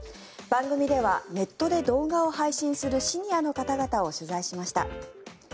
番組ではネットで動画を配信するシニアの方々を取材しました。